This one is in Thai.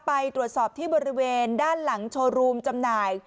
ไปตรวจสอบที่บริเวณด้านหลังโชว์รูมจำหน่าย